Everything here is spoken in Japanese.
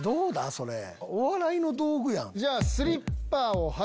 それお笑いの道具やん。